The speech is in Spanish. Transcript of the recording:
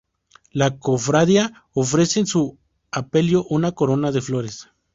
La cofradía ofrece en su sepelio una corona de flores.